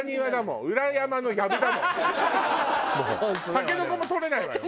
タケノコも採れないわよ。